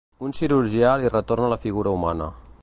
Un cirurgià li retorna la figura humana.